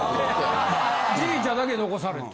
ジミーちゃんだけ残されて。